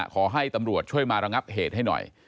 ขอให้ตำรวจช่วยมาระงับเหตุให้หน่อย